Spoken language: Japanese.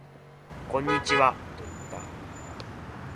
こんにちはと言った